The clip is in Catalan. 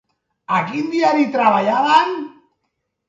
A quin diari treballaven?